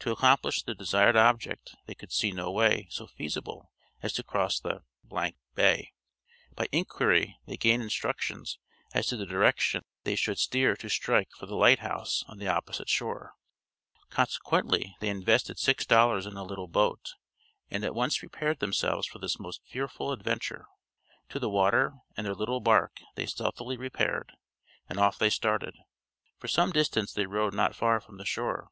To accomplish the desired object they could see no way so feasible as to cross the Bay. By inquiry they gained instructions as to the direction they should steer to strike for the lighthouse on the opposite shore. Consequently they invested six dollars in a little boat, and at once prepared themselves for this most fearful adventure. To the water and their little bark they stealthily repaired, and off they started. For some distance they rowed not far from the shore.